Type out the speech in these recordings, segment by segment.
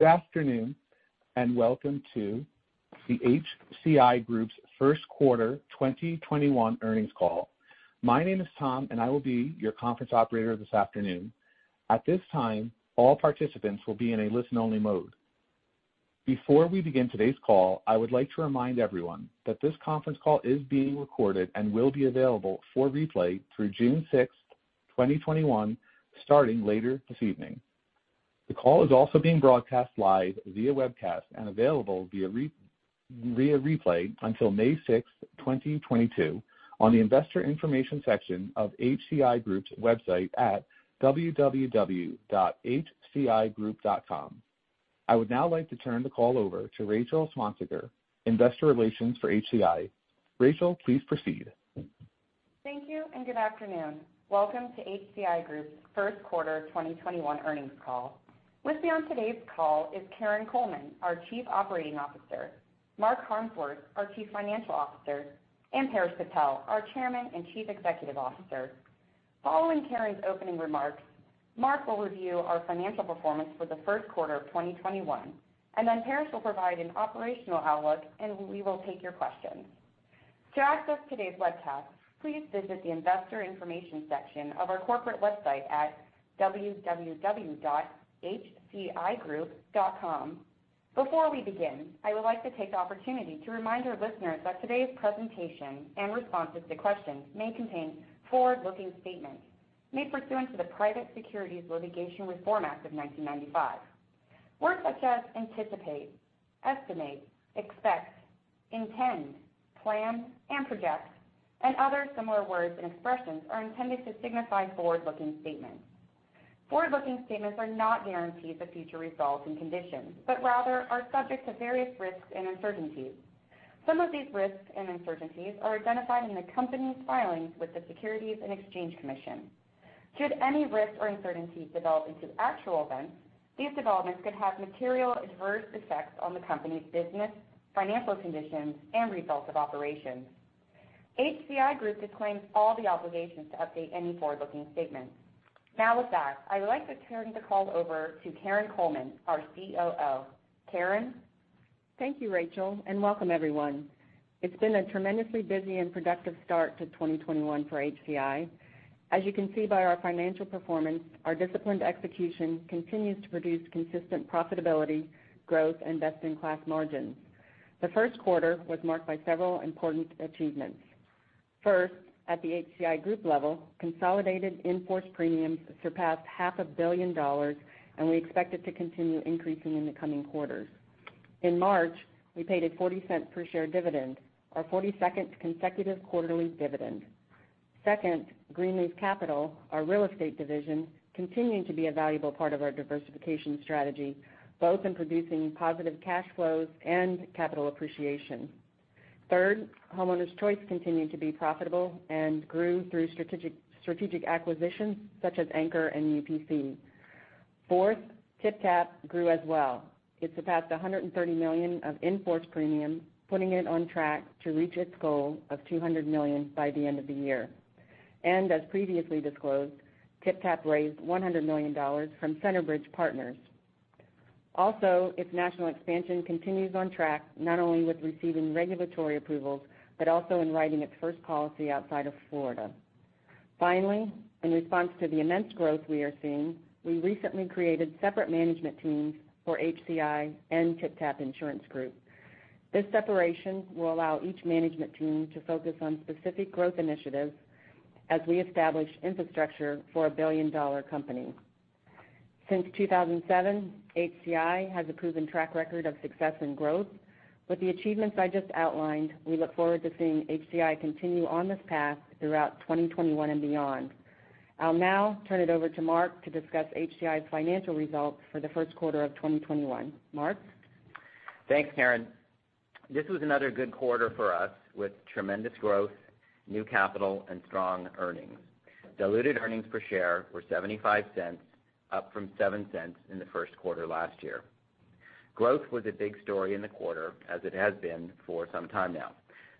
Good afternoon, and welcome to the HCI Group's first quarter 2021 earnings call. My name is Tom, and I will be your conference operator this afternoon. At this time, all participants will be in a listen-only mode. Before we begin today's call, I would like to remind everyone that this conference call is being recorded and will be available for replay through June 6, 2021, starting later this evening. The call is also being broadcast live via webcast and available via replay until May 6th, 2022, on the investor information section of hcigroup.com. I would now like to turn the call over to Rachel Swansiger, investor relations for HCI. Rachel, please proceed. Thank you, and good afternoon. Welcome to HCI Group's first quarter 2021 earnings call. With me on today's call is Karin Coleman, our Chief Operating Officer, Mark Harmsworth, our Chief Financial Officer, and Paresh Patel, our Chairman and Chief Executive Officer. Following Karin's opening remarks, Mark will review our financial performance for the first quarter of 2021, and then Paresh will provide an operational outlook, and we will take your questions. To access today's webcast, please visit the investor information section of our corporate website at hcigroup.com. Before we begin, I would like to take the opportunity to remind our listeners that today's presentation and responses to questions may contain forward-looking statements made pursuant to the Private Securities Litigation Reform Act of 1995. Words such as anticipate, estimate, expect, intend, plan, and project, and other similar words and expressions are intended to signify forward-looking statements. Forward-looking statements are not guarantees of future results and conditions, but rather are subject to various risks and uncertainties. Some of these risks and uncertainties are identified in the company's filings with the Securities and Exchange Commission. Should any risks or uncertainties develop into actual events, these developments could have material adverse effects on the company's business, financial conditions, and results of operations. HCI Group disclaims all the obligations to update any forward-looking statements. Now with that, I would like to turn the call over to Karin Coleman, our COO. Karin? Thank you, Rachel, and welcome everyone. It's been a tremendously busy and productive start to 2021 for HCI. As you can see by our financial performance, our disciplined execution continues to produce consistent profitability, growth, and best-in-class margins. The first quarter was marked by several important achievements. First, at the HCI Group level, consolidated in-force premiums surpassed half a billion dollars, and we expect it to continue increasing in the coming quarters. In March, we paid a $0.40 per share dividend, our 42nd consecutive quarterly dividend. Second, Greenleaf Capital, our real estate division, continuing to be a valuable part of our diversification strategy, both in producing positive cash flows and capital appreciation. Third, Homeowners Choice continued to be profitable and grew through strategic acquisitions such as Anchor and UPC. Fourth, TypTap grew as well. It surpassed $130 million of in-force premium, putting it on track to reach its goal of $200 million by the end of the year. As previously disclosed, TypTap raised $100 million from Centerbridge Partners. Its national expansion continues on track, not only with receiving regulatory approvals, but also in writing its first policy outside of Florida. Finally, in response to the immense growth we are seeing, we recently created separate management teams for HCI and TypTap Insurance Group. This separation will allow each management team to focus on specific growth initiatives as we establish infrastructure for a billion-dollar company. Since 2007, HCI has a proven track record of success and growth. With the achievements I just outlined, we look forward to seeing HCI continue on this path throughout 2021 and beyond. I'll now turn it over to Mark to discuss HCI's financial results for the first quarter of 2021. Mark? Thanks, Karin. This was another good quarter for us, with tremendous growth, new capital, and strong earnings. Diluted earnings per share were $0.75, up from $0.07 in the first quarter last year. Growth was a big story in the quarter, as it has been for some time now.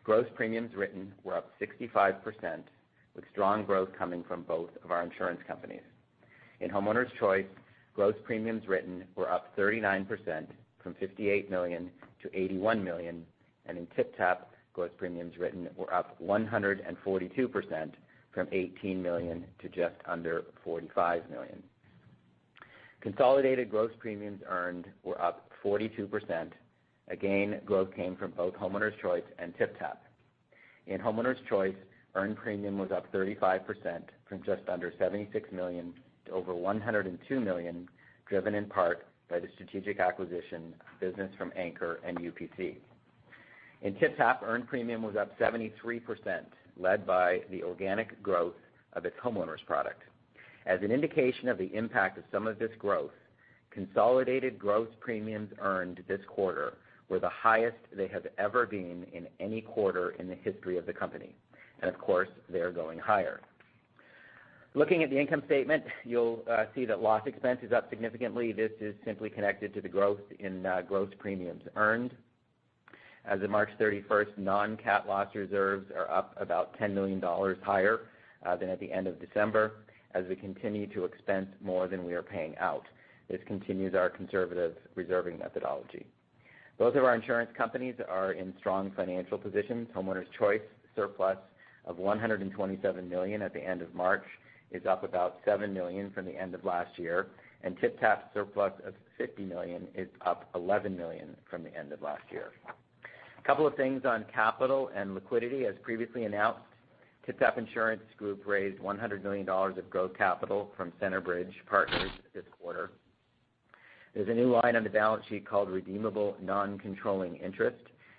Gross premiums written were up 65%, with strong growth coming from both of our insurance companies. In Homeowners Choice, gross premiums written were up 39%, from $58 million to $81 million. In TypTap, gross premiums written were up 142%, from $18 million to just under $45 million. Consolidated gross premiums earned were up 42%. Again, growth came from both Homeowners Choice and TypTap. In Homeowners Choice, earned premium was up 35%, from just under $76 million to over $102 million, driven in part by the strategic acquisition business from Anchor and UPC. In TypTap, earned premium was up 73%, led by the organic growth of its homeowners product. As an indication of the impact of some of this growth, consolidated gross premiums earned this quarter were the highest they have ever been in any quarter in the history of the company. Of course, they are going higher. Looking at the income statement, you'll see that loss expense is up significantly. This is simply connected to the growth in gross premiums earned. As of March 31st, non-cat loss reserves are up about $10 million higher than at the end of December, as we continue to expense more than we are paying out. This continues our conservative reserving methodology. Both of our insurance companies are in strong financial positions. Homeowners Choice surplus of $127 million at the end of March is up about $7 million from the end of last year, and TypTap surplus of $50 million is up $11 million from the end of last year. A couple of things on capital and liquidity. As previously announced, TypTap Insurance Group raised $100 million of growth capital from Centerbridge Partners this quarter. There is a new line on the balance sheet called redeemable non-controlling interest.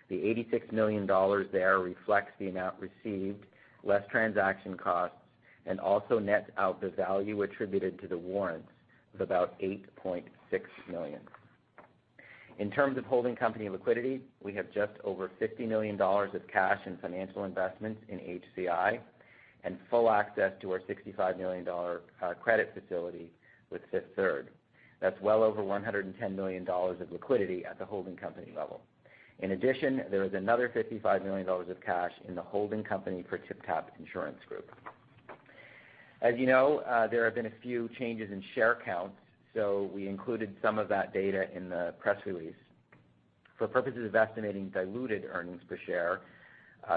The $86 million there reflects the amount received, less transaction costs, and also nets out the value attributed to the warrants of about $8.6 million. In terms of holding company liquidity, we have just over $50 million of cash and financial investments in HCI and full access to our $65 million credit facility with Fifth Third. That is well over $110 million of liquidity at the holding company level. There is another $55 million of cash in the holding company for TypTap Insurance Group. As you know, there have been a few changes in share counts, we included some of that data in the press release. For purposes of estimating diluted earnings per share,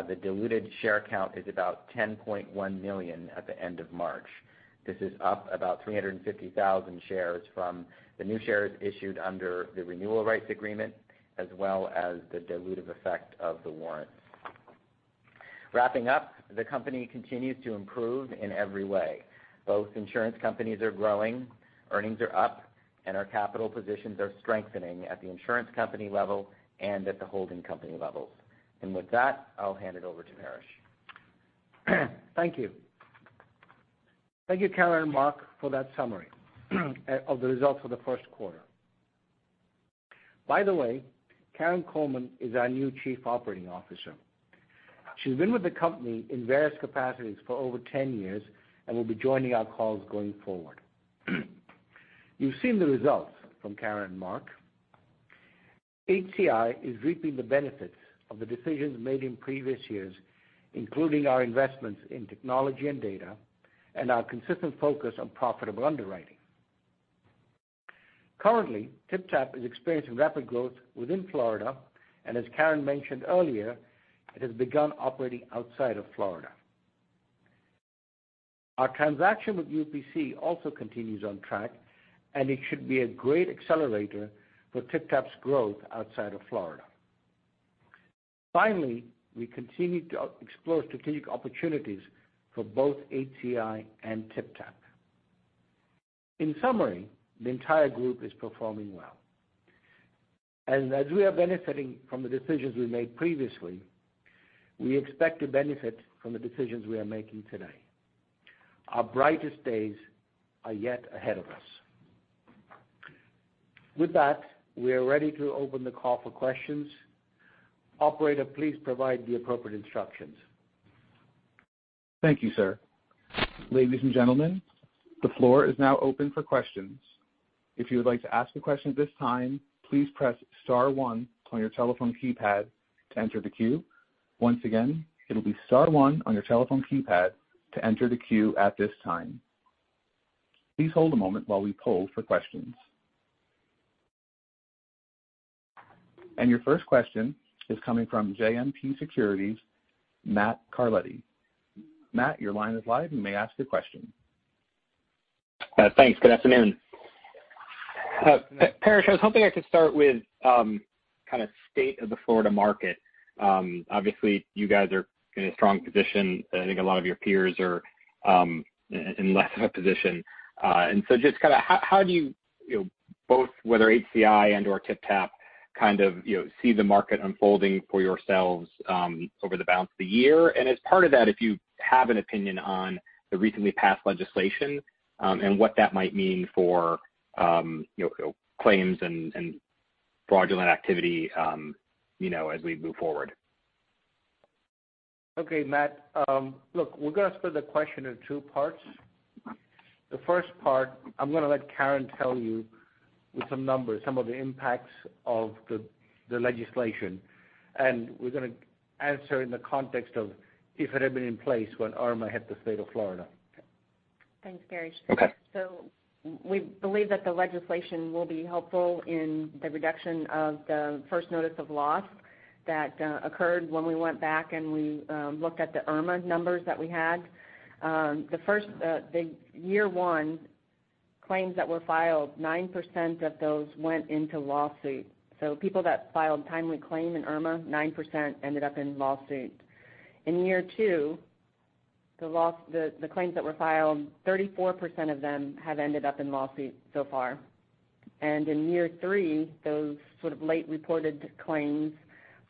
the diluted share count is about 10.1 million at the end of March. This is up about 350,000 shares from the new shares issued under the renewal rights agreement, as well as the dilutive effect of the warrants. Wrapping up, the company continues to improve in every way. Both insurance companies are growing, earnings are up, and our capital positions are strengthening at the insurance company level and at the holding company levels. With that, I will hand it over to Paresh. Thank you. Thank you, Karin and Mark, for that summary of the results for the first quarter. By the way, Karin Coleman is our new Chief Operating Officer. She has been with the company in various capacities for over 10 years and will be joining our calls going forward. You have seen the results from Karin and Mark. HCI is reaping the benefits of the decisions made in previous years, including our investments in technology and data and our consistent focus on profitable underwriting. TypTap is experiencing rapid growth within Florida, and as Karin mentioned earlier, it has begun operating outside of Florida. Our transaction with UPC also continues on track, and it should be a great accelerator for TypTap's growth outside of Florida. We continue to explore strategic opportunities for both HCI and TypTap. The entire group is performing well. As we are benefiting from the decisions we made previously, we expect to benefit from the decisions we are making today. Our brightest days are yet ahead of us. With that, we are ready to open the call for questions. Operator, please provide the appropriate instructions. Thank you, sir. Ladies and gentlemen, the floor is now open for questions. If you would like to ask a question at this time, please press star one on your telephone keypad to enter the queue. Once again, it'll be star one on your telephone keypad to enter the queue at this time. Please hold a moment while we poll for questions. Your first question is coming from JMP Securities, Matthew Carletti. Matt, your line is live. You may ask your question. Thanks. Good afternoon. Paresh, I was hoping I could start with kind of state of the Florida market. Obviously, you guys are in a strong position. I think a lot of your peers are in less of a position. So just how do you both, whether HCI and/or TypTap kind of see the market unfolding for yourselves over the balance of the year? As part of that, if you have an opinion on the recently passed legislation, and what that might mean for claims and fraudulent activity as we move forward. Okay, Matt. Look, we're going to split the question in two parts. The first part, I'm going to let Karin tell you with some numbers, some of the impacts of the legislation. We're going to answer in the context of if it had been in place when Irma hit the state of Florida. Thanks, Paresh. Okay. We believe that the legislation will be helpful in the reduction of the first notice of loss that occurred when we went back and we looked at the Hurricane Irma numbers that we had. The year one claims that were filed, 9% of those went into lawsuits. People that filed timely claim in Hurricane Irma, 9% ended up in lawsuits. In year two, the claims that were filed, 34% of them have ended up in lawsuits so far. In year three, those sort of late reported claims,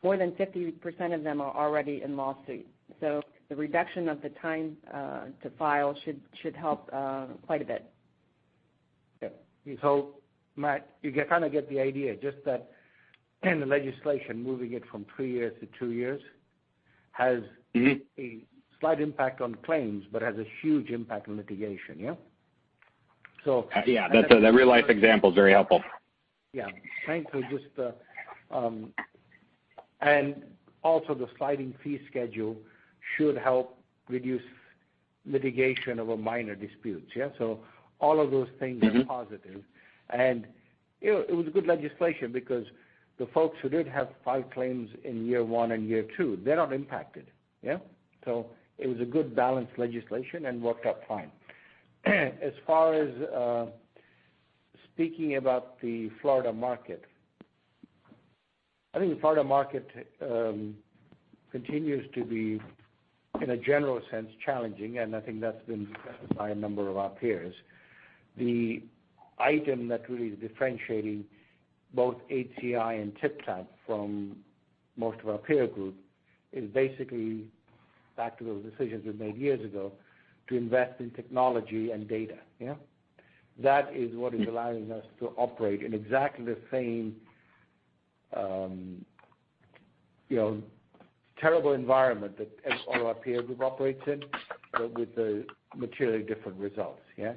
more than 50% of them are already in lawsuits. The reduction of the time to file should help quite a bit. Yeah. Matt, you kind of get the idea, just that the legislation moving it from three years to two years has a slight impact on claims but has a huge impact on litigation, yeah? Yeah, that real-life example is very helpful. Yeah. Thankfully, also the sliding fee schedule should help reduce litigation over minor disputes. Yeah? All of those things are positive. It was a good legislation because the folks who did have filed claims in year one and year two, they're not impacted. Yeah? It was a good balanced legislation and worked out fine. As far as speaking about the Florida market, I think the Florida market continues to be, in a general sense, challenging, and I think that's been discussed by a number of our peers. The item that really is differentiating both HCI and TypTap from most of our peer group is basically back to those decisions we made years ago to invest in technology and data. Yeah? That is what is allowing us to operate in exactly the same terrible environment that all our peer group operates in, but with the materially different results. Yeah.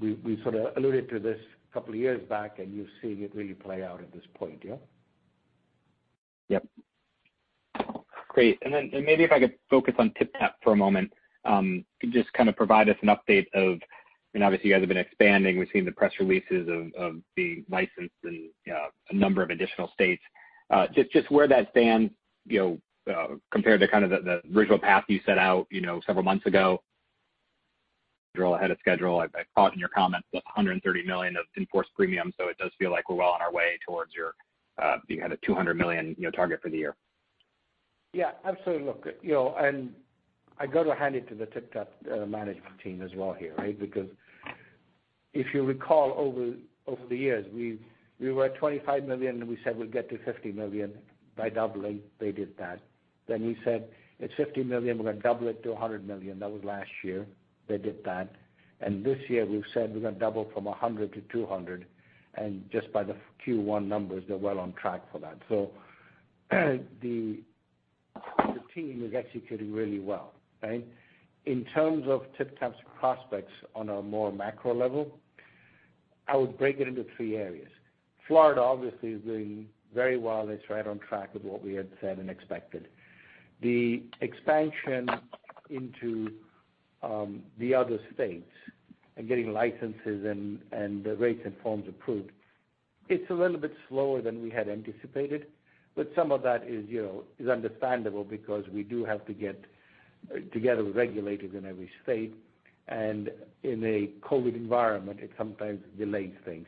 We sort of alluded to this a couple of years back, and you're seeing it really play out at this point, yeah. Yep. Great. Then maybe if I could focus on TypTap for a moment, could you just kind of provide us an update of, obviously you guys have been expanding. We've seen the press releases of the license in a number of additional states. Just where that stands, compared to kind of the original path you set out several months ago. Ahead of schedule. I caught in your comments the $130 million of in-force premium, it does feel like we're well on our way towards you had a $200 million target for the year. Yeah, absolutely. Look, I got to hand it to the TypTap management team as well here, right? Because if you recall over the years, we were at $25 million, and we said we'll get to $50 million by doubling. They did that. We said it's $50 million, we're going to double it to $100 million. That was last year. They did that. This year, we've said we're going to double from 100 to 200, and just by the Q1 numbers, they're well on track for that. The team is executing really well, right? In terms of TypTap's prospects on a more macro level, I would break it into three areas. Florida obviously is doing very well. It's right on track with what we had said and expected. The expansion into the other states and getting licenses and the rates and forms approved, it's a little bit slower than we had anticipated, but some of that is understandable because we do have to get together with regulators in every state. In a COVID environment, it sometimes delays things.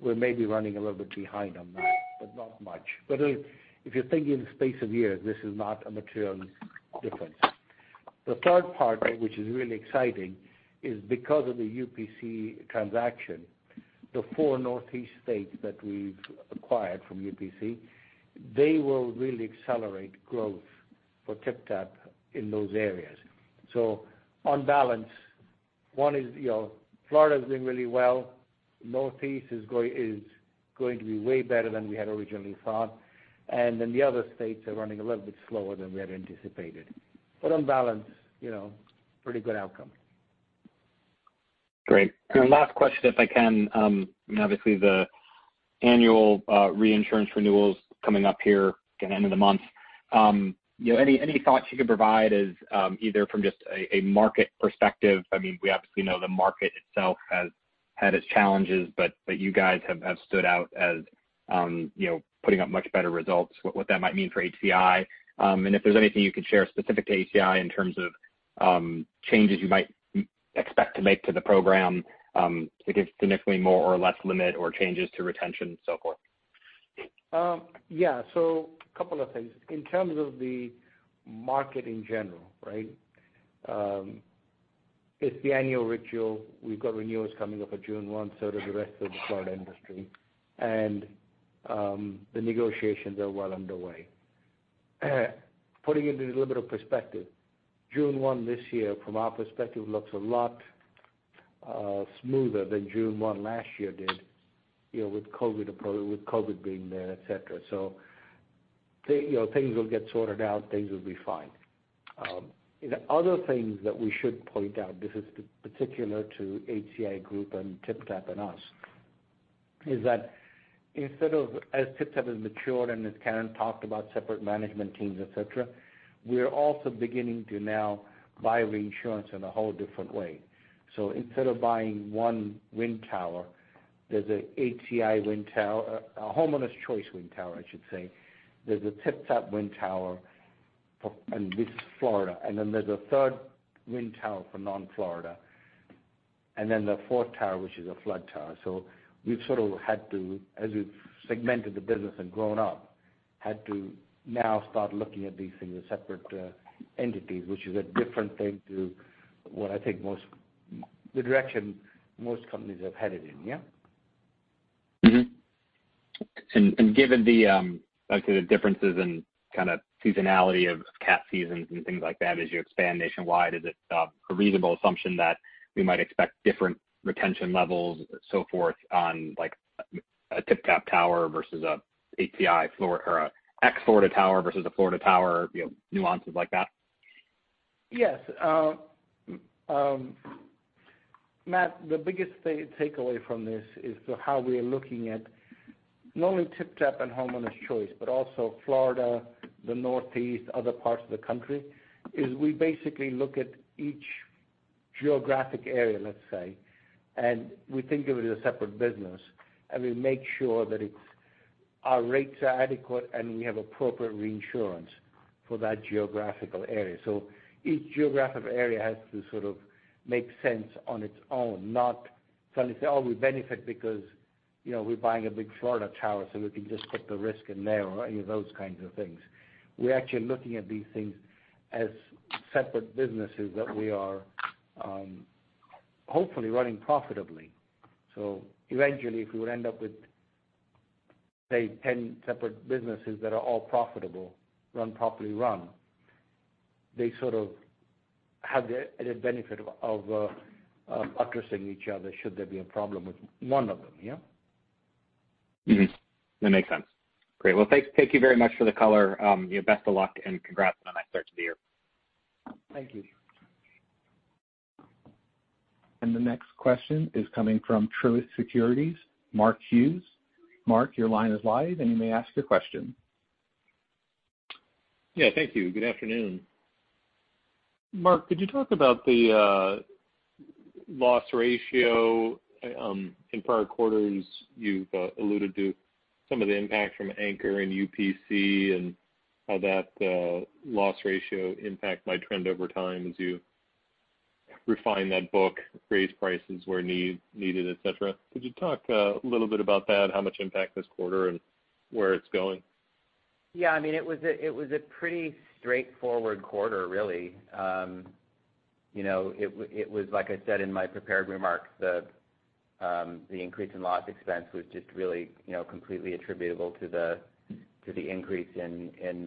We're maybe running a little bit behind on that, but not much. If you're thinking in the space of years, this is not a material difference. The third part, which is really exciting, is because of the UPC transaction, the four Northeast states that we've acquired from UPC, they will really accelerate growth for TypTap in those areas. On balance, one is Florida's doing really well. Northeast is going to be way better than we had originally thought. The other states are running a little bit slower than we had anticipated. On balance, pretty good outcome. Great. Last question, if I can. Obviously, the annual reinsurance renewal's coming up here at the end of the month. Any thoughts you could provide as either from just a market perspective, we obviously know the market itself has had its challenges, but you guys have stood out as putting up much better results, what that might mean for HCI. If there's anything you could share specific to HCI in terms of changes you might expect to make to the program, if it's significantly more or less limit or changes to retention and so forth. Yeah. A couple of things. In terms of the market in general, right? It's the annual ritual. We've got renewals coming up for June 1, so does the rest of the Florida industry. The negotiations are well underway. Putting it into a little bit of perspective, June 1 this year from our perspective looks a lot smoother than June 1 last year did, with COVID being there, et cetera. Things will get sorted out, things will be fine. The other things that we should point out, this is particular to HCI Group and TypTap and us, is that instead of as TypTap has matured and as Karin talked about separate management teams, et cetera, we're also beginning to now buy reinsurance in a whole different way. Instead of buying one wind tower, there's an HCI wind tower, a Homeowners Choice wind tower, I should say. There's a TypTap wind tower, this is Florida. Then there's a third wind tower for non-Florida. Then the fourth tower, which is a flood tower. We've sort of had to, as we've segmented the business and grown up, had to now start looking at these things as separate entities, which is a different thing to what I think the direction most companies have headed in. Yeah? Mm-hmm. Given the differences in kind of seasonality of cat seasons and things like that as you expand nationwide, is it a reasonable assumption that we might expect different retention levels, so forth, on a TypTap tower versus a HCI floor or an ex-Florida tower versus a Florida tower, nuances like that? Yes. Matt, the biggest takeaway from this is how we're looking at not only TypTap and Homeowners Choice, but also Florida, the Northeast, other parts of the country, we basically look at each geographic area, let's say, and we think of it as a separate business, and we make sure that our rates are adequate, and we have appropriate reinsurance for that geographical area. Each geographic area has to sort of make sense on its own, not suddenly say, "Oh, we benefit because we're buying a big Florida tower, we can just put the risk in there," or any of those kinds of things. We're actually looking at these things as separate businesses that we are hopefully running profitably. Eventually, if we would end up with, say, 10 separate businesses that are all profitable, properly run, they sort of have the added benefit of addressing each other, should there be a problem with one of them. Yeah? Mm-hmm. That makes sense. Great. Thank you very much for the color. Best of luck congrats on a nice start to the year. Thank you. The next question is coming from Truist Securities, Mark Hughes. Mark, your line is live and you may ask your question. Thank you. Good afternoon. Mark, could you talk about the loss ratio? In prior quarters, you've alluded to some of the impact from Anchor and UPC and how that loss ratio impact might trend over time as you refine that book, raise prices where needed, et cetera. Could you talk a little bit about that, how much impact this quarter and where it's going? It was a pretty straightforward quarter, really. It was, like I said in my prepared remarks, the increase in loss expense was just really completely attributable to the increase in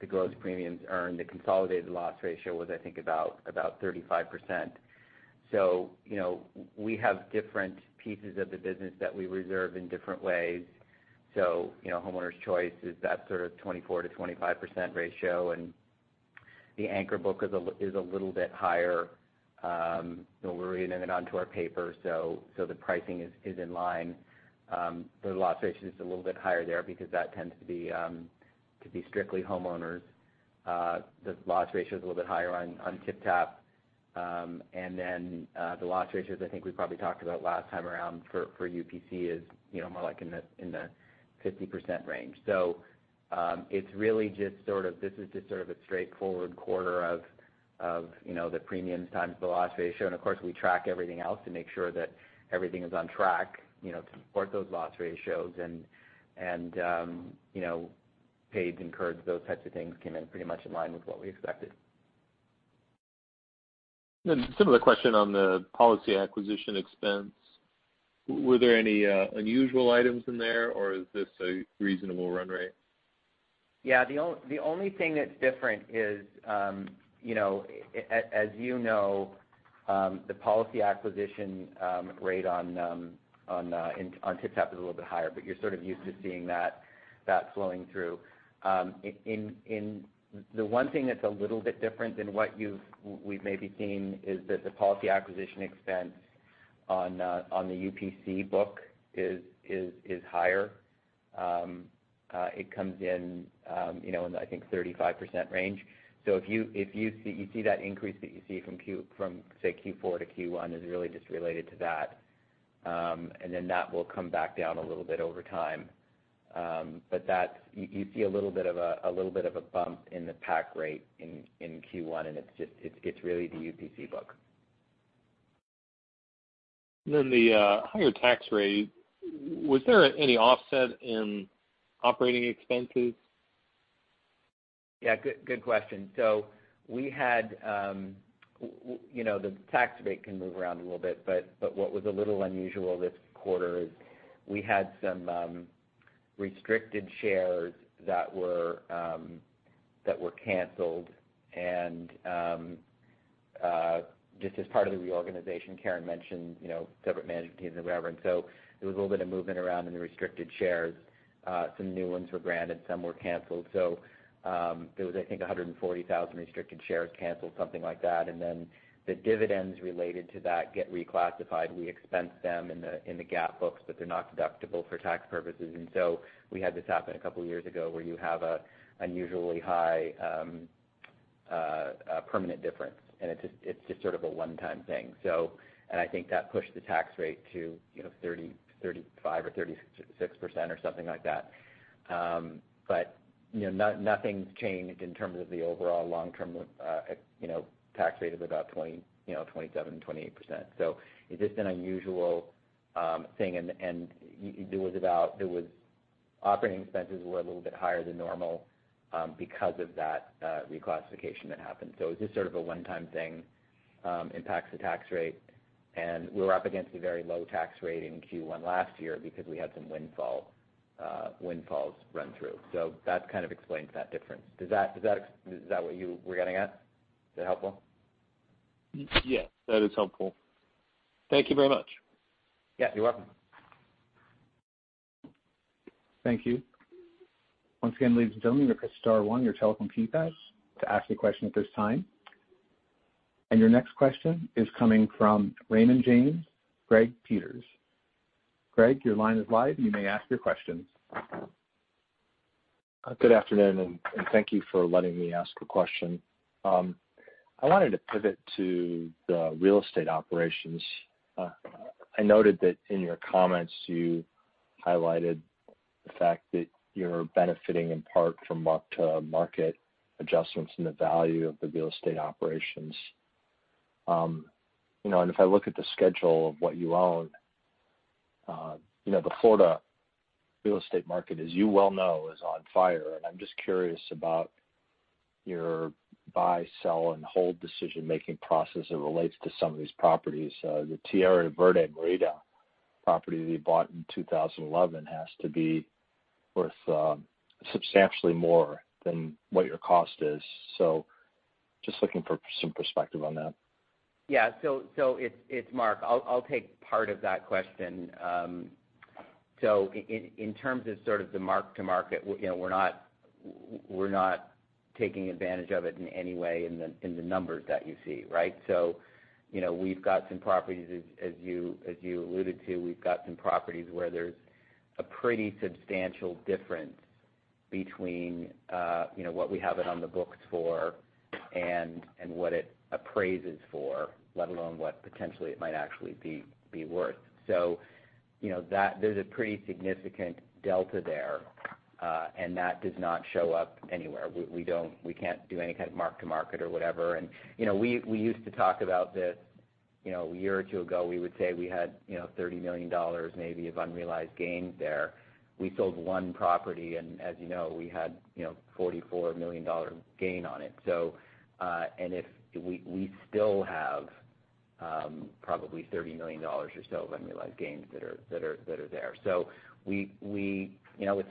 the gross premiums earned. The consolidated loss ratio was, I think, about 35%. We have different pieces of the business that we reserve in different ways. Homeowners Choice is that sort of 24%-25% ratio, and the Anchor book is a little bit higher. We're renewing it onto our paper, so the pricing is in line. The loss ratio is just a little bit higher there because that tends to be strictly homeowners. The loss ratio is a little bit higher on TypTap. Then the loss ratios, I think we probably talked about last time around for UPC is more like in the 50% range. This is just sort of a straightforward quarter of the premiums times the loss ratio. Of course, we track everything else to make sure that everything is on track to support those loss ratios and, paid, incurred, those types of things came in pretty much in line with what we expected. A similar question on the policy acquisition expense. Were there any unusual items in there, or is this a reasonable run rate? The only thing that's different is, as you know, the policy acquisition rate on TypTap is a little bit higher, but you're sort of used to seeing that flowing through. The one thing that's a little bit different than what we've maybe seen is that the policy acquisition expense on the UPC book is higher. It comes in, I think 35% range. You see that increase that you see from, say, Q4 to Q1 is really just related to that, and then that will come back down a little bit over time. You see a little bit of a bump in the PAC rate in Q1, and it's really the UPC book. The higher tax rate, was there any offset in operating expenses? Yeah, good question. The tax rate can move around a little bit, but what was a little unusual this quarter is we had some restricted shares that were canceled, just as part of the reorganization Karin mentioned, separate management teams and whatever. There was a little bit of movement around in the restricted shares. Some new ones were granted, some were canceled. There was, I think, 140,000 restricted shares canceled, something like that, and then the dividends related to that get reclassified. We expense them in the GAAP books, but they're not deductible for tax purposes. We had this happen a couple of years ago where you have an unusually high permanent difference, and it's just sort of a one-time thing. I think that pushed the tax rate to 35% or 36% or something like that. Nothing's changed in terms of the overall long-term tax rate of about 27%, 28%. It's just an unusual thing, and operating expenses were a little bit higher than normal because of that reclassification that happened. It's just sort of a one-time thing, impacts the tax rate, and we were up against a very low tax rate in Q1 last year because we had some windfalls run through. That kind of explains that difference. Is that what you were getting at? Is that helpful? Yes, that is helpful. Thank you very much. Yeah, you're welcome. Thank you. Once again, ladies and gentlemen, you can press star one on your telephone keypads to ask a question at this time. Your next question is coming from Raymond James' Gregory Peters. Greg, your line is live. You may ask your questions. Good afternoon. Thank you for letting me ask a question. I wanted to pivot to the real estate operations. I noted that in your comments, you highlighted the fact that you're benefiting in part from mark-to-market adjustments in the value of the real estate operations. If I look at the schedule of what you own, the Florida real estate market, as you well know, is on fire, and I'm just curious about your buy, sell, and hold decision-making process as it relates to some of these properties. The Tierra Verde Marina property that you bought in 2011 has to be worth substantially more than what your cost is. Just looking for some perspective on that. Yeah. It's Mark. I'll take part of that question. In terms of sort of the mark to market, we're not taking advantage of it in any way in the numbers that you see, right? We've got some properties, as you alluded to, we've got some properties where there's a pretty substantial difference between what we have it on the books for and what it appraises for, let alone what potentially it might actually be worth. There's a pretty significant delta there, and that does not show up anywhere. We can't do any kind of mark to market or whatever. We used to talk about this a year or two ago. We would say we had $30 million maybe of unrealized gains there. We sold one property, and as you know, we had $44 million gain on it. We still have probably $30 million or so of unrealized gains that are there.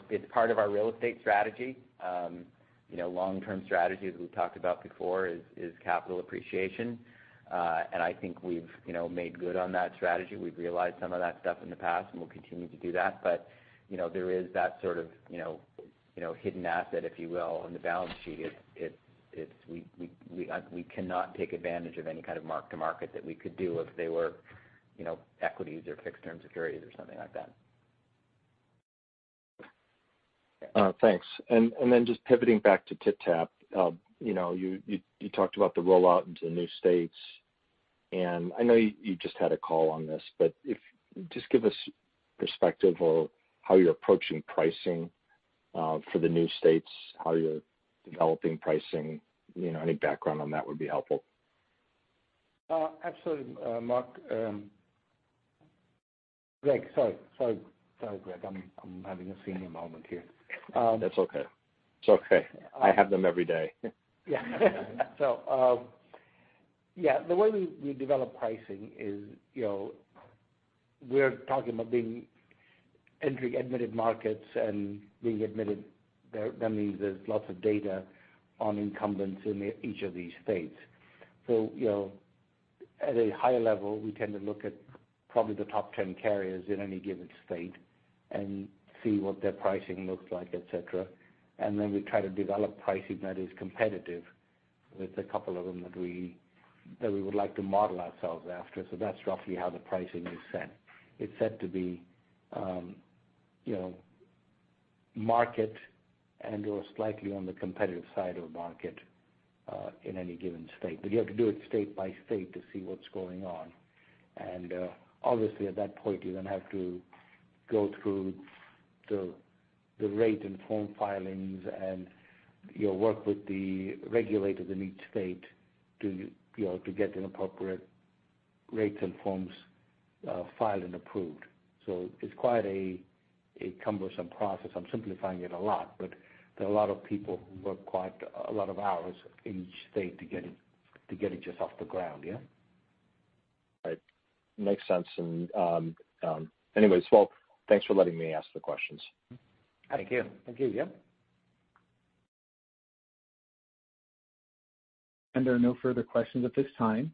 It's part of our real estate strategy. Long-term strategy, as we've talked about before, is capital appreciation. I think we've made good on that strategy. We've realized some of that stuff in the past, and we'll continue to do that. There is that sort of hidden asset, if you will, on the balance sheet. We cannot take advantage of any kind of mark to market that we could do if they were equities or fixed term securities or something like that. Thanks. Just pivoting back to TypTap. You talked about the rollout into the new states, I know you just had a call on this, give us perspective of how you're approaching pricing for the new states, how you're developing pricing. Any background on that would be helpful. Absolutely Mark. Greg, sorry. I'm having a senior moment here. That's okay. I have them every day. The way we develop pricing is we're talking about being entry admitted markets and being admitted there. That means there's lots of data on incumbents in each of these states. At a high level, we tend to look at probably the top 10 carriers in any given state and see what their pricing looks like, et cetera. We try to develop pricing that is competitive with a couple of them that we would like to model ourselves after. That's roughly how the pricing is set. It's set to be market. We're slightly on the competitive side of market, in any given state. You have to do it state by state to see what's going on. Obviously at that point, you then have to go through the rate and form filings and you work with the regulators in each state to get the appropriate rates and forms filed and approved. It's quite a cumbersome process. I'm simplifying it a lot, but there are a lot of people who work quite a lot of hours in each state to get it just off the ground. Yeah? Right. Makes sense. Anyways, well, thanks for letting me ask the questions. Thank you. Thank you. Yeah. There are no further questions at this time.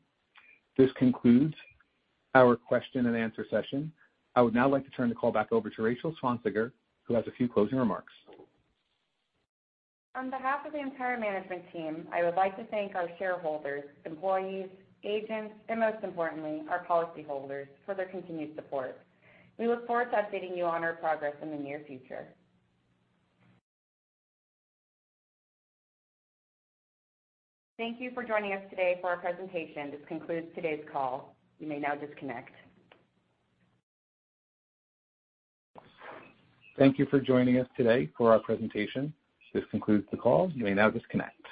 This concludes our question and answer session. I would now like to turn the call back over to Rachel Swansiger, who has a few closing remarks. On behalf of the entire management team, I would like to thank our shareholders, employees, agents, and most importantly, our policyholders for their continued support. We look forward to updating you on our progress in the near future. Thank you for joining us today for our presentation. This concludes today's call. You may now disconnect. Thank you for joining us today for our presentation. This concludes the call. You may now disconnect.